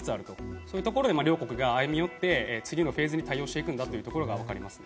そこで、両国が歩み寄って次のフェーズに対応していくんだというところがわかります。